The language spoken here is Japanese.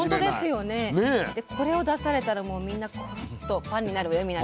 でこれを出されたらもうみんなコロッとファンになるわよ